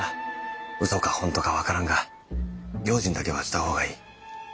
嘘かほんとか分からんが用心だけはした方がいい。